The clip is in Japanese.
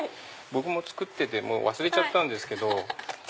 僕も作っててもう忘れちゃったんですけど。